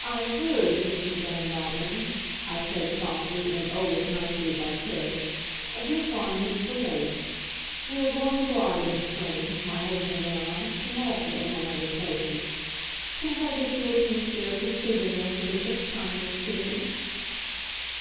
"I've heard, Mrs. Van Wagenen," I said softly and oh, as nicely as I could, "of your fondness for lace. We are going abroad in the spring, my husband and I, to Malta, among other places. Can't I get you a piece there as a souvenir of the Bishop's kindness to me?"